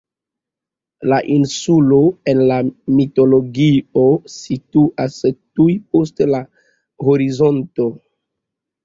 La insulo, en la mitologio, situas tuj post la horizonto.